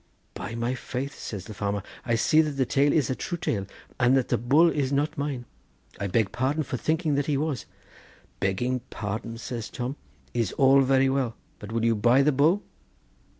'By my faith!' says the farmer, 'I see that the tail is a true tail, and that the bull is not mine. I beg pardon for thinking that he was.' 'Begging pardon,' says Tom, 'is all very well; but will you buy the bull?